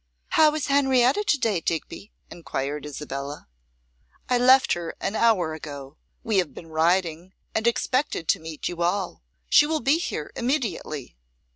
'How is Henrietta to day, Digby?' enquired Isabella. 'I left her an hour ago; we have been riding, and expected to meet you all. She will be here immediately.